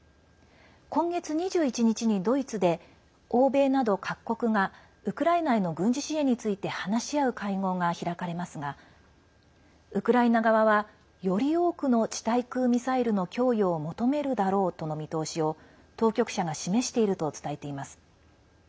今月２１日に、ドイツで欧米など各国がウクライナへの軍事支援について話し合う会合が開かれますがウクライナ側は、より多くの地対空ミサイルの供与を求めるだろうとの見通しを当局者が示していると伝えています。